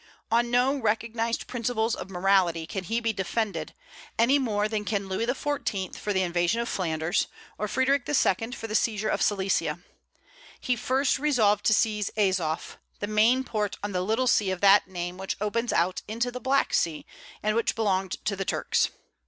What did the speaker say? On no recognized principles of morality can he be defended, any more than can Louis XIV. for the invasion of Flanders, or Frederic II. for the seizure of Silesia. He first resolved to seize Azof, the main port on the little sea of that name which opens out into the Black Sea, and which belonged to the Turks.